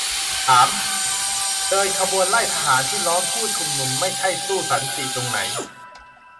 ถาม : เดินขบวนไล่ทหารที่ล้อมผู้ชุมนุมไม่ใช่สู้สันติตรงไหน ?